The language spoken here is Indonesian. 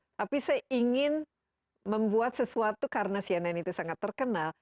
tapi saya ingin membuat sesuatu karena cnn itu sangat terkenal